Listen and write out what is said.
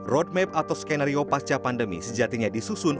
roadmap atau skenario pasca pandemi sejatinya disusun